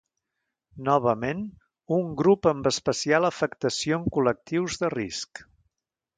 Novament, un grup amb especial afectació en col·lectius de risc.